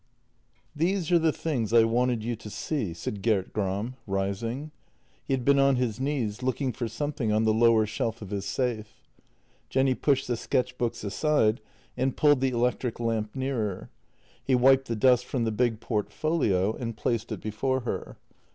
VI HESE are the things I wanted you to see," said Gert Gram, rising. He had been on his knees, looking for something on the lower shelf of his Jenny pushed the sketch books aside and pulled the electric lamp nearer. He wiped the dust from the big portfolio and placed it before her.